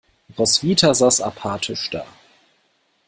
Roswitha saß apathisch da.